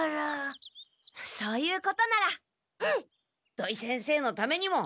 土井先生のためにも！